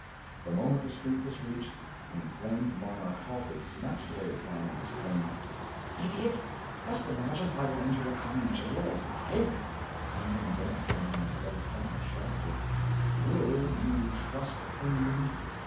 The moment the street was reached, the inflamed monarch halted, snatched away his hand, and exclaimed "Idiot, dost imagine I will enter a common jail alive?" Hendon bent down and said, somewhat sharply "Will you trust in me?